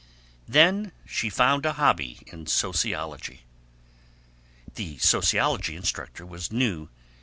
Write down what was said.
Then she found a hobby in sociology. The sociology instructor was new.